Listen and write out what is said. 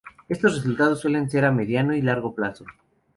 Estos resultados suelen ser a mediano y largo plazo.